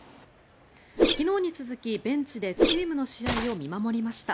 昨日に続き、ベンチでチームの試合を見守りました。